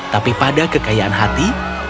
tapi pada kekayaan hati dan kekayaan hati